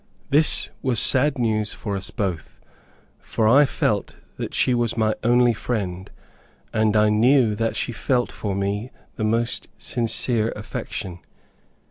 This was sad news for us both, for I felt that she was my only friend, and I knew that she felt for me, the most sincere affection.